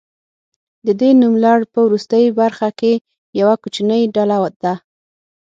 د دې نوملړ په وروستۍ برخه کې یوه کوچنۍ ډله ده.